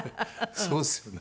そうですよね。